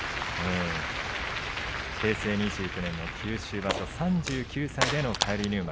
平成２９年九州場所３９歳での返り入幕